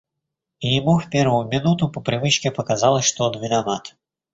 И ему в первую минуту по привычке показалось, что он виноват.